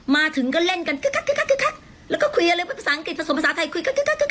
มาถึงก็เล่นกันแล้วก็คุยอะไรเป็นภาษาอังกฤษผสมภาษาไทยคุยกัน